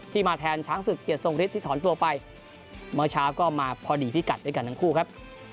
มาแทนช้างศึกเกียรติทรงฤทธิ์ถอนตัวไปเมื่อเช้าก็มาพอดีพิกัดด้วยกันทั้งคู่ครับ